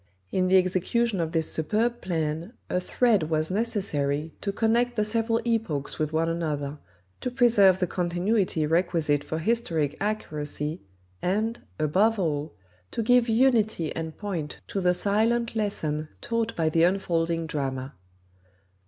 In the execution of this superb plan a thread was necessary to connect the several epochs with one another, to preserve the continuity requisite for historic accuracy, and, above all, to give unity and point to the silent lesson taught by the unfolding drama.